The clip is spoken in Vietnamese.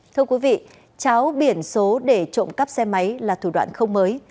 thưa quý vị cháo biển số để trộm cắp xe máy là thủ đoạn không mới